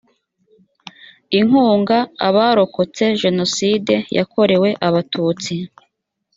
inkunga abarokotse jenoside yakorewe abatutsi